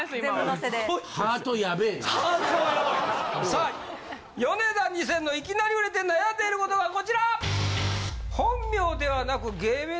さあヨネダ２０００のいきなり売れて悩んでいることがこちら！